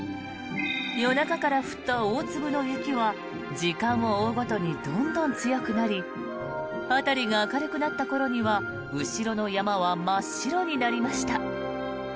夜中から降った大粒の雪は時間を追うごとにどんどん強くなり辺りが明るくなった頃には後ろの山は真っ白になりました。